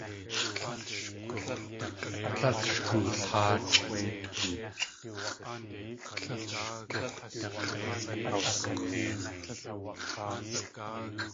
Tlél sh koolháachʼ.